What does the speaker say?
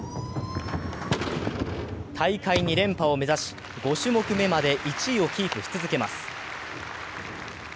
大会２連覇を目指し、５種目めまで１位をキープし続けます。